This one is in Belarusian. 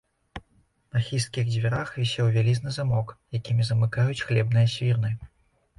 На хісткіх дзвярах вісеў вялізны замок, якімі замыкаюць хлебныя свірны.